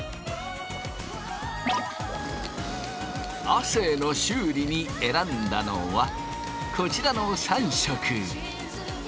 亜生の修理に選んだのはこちらの３色。